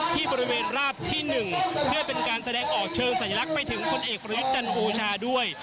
ที่บริเวณราบที่๑เพื่อเป็นการแสดงออกเชิงสัญลักษณ์ไปถึงคนเอกประยุทธ์จันทร์โอชาด้วย